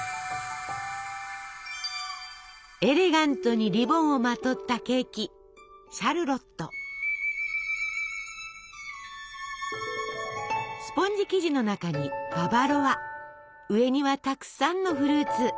エレガントにリボンをまとったケーキスポンジ生地の中にババロア上にはたくさんのフルーツ。